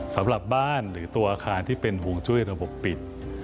สำหรับบ้านหรือตัวอาคารที่เป็นห่วงจุ้ยระบบปิด